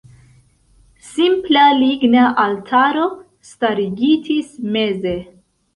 Simpla ligna altaro starigitis meze.